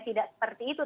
tidak seperti itu